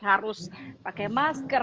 harus pakai masker